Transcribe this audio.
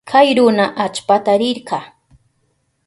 Kay runa allpata rirka.